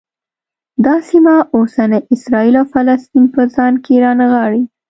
دا سیمه اوسني اسرایل او فلسطین په ځان کې رانغاړي.